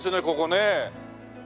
ここね。